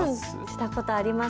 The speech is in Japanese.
したこと、あります。